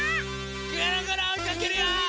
ぐるぐるおいかけるよ！